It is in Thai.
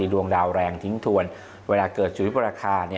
ดวงดาวแรงทิ้งถวนเวลาเกิดสุริยุปราคา